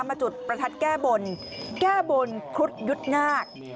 มาจุดประทัดแก้บลแก้บลพุทธยุทธนาค